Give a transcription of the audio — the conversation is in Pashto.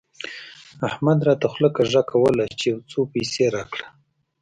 احمد راته خوله کږه کږه کوله چې يو څو پيسې راکړه.